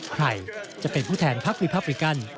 ใครจะเป็นผู้แทนภาควิพัฟฟิกัน